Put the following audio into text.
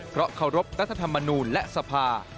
เพราะเคารพรัฐธรรมนูลและสภา